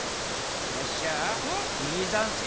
シュッシュいいざんすよ。